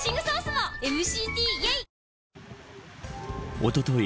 おととい